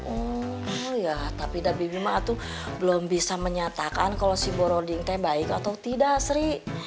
oh ya tapi dabibi ma tuh belum bisa menyatakan kalo si boroding teh baik atau tidak sri